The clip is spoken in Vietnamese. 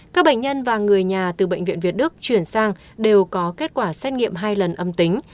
các bệnh nhân và người nhà từ bệnh viện việt đức chuyển sang đều có kết quả xét nghiệm hai lần âm tính